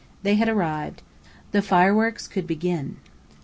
They had arrived. The fireworks could begin.